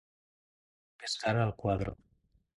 Pescar al quadro.